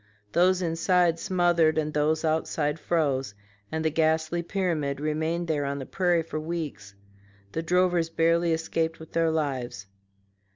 Those inside smothered and those outside froze, and the ghastly pyramid remained there on the prairie for weeks: the drovers barely escaped with their lives.